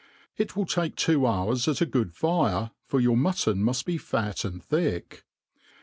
It will take two hours at a good fire, for your mutton mufl be fat and thick.